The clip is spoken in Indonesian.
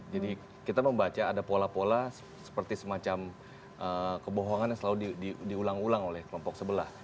jadi kita membaca ada pola pola seperti semacam kebohongan yang selalu diulang ulang oleh kelompok sebelah